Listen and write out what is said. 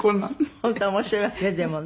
本当面白いわねでもね。